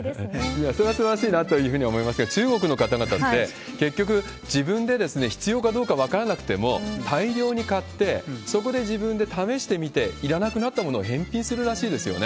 それはそれですごいなと思いますけれども、中国の方って、結局、自分で必要かどうか分からなくても、大量に買って、そこで自分で試してみて、いらなくなったものを返品するらしいですね。